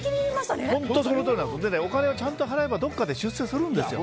お金をちゃんと払えばどこかで出世するんですよ。